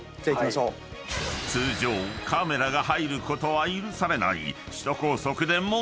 ［通常カメラが入ることは許されない］